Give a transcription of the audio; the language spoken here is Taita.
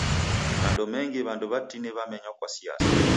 Mando menmgi w'andu w'atini wamenywa kwa siasa.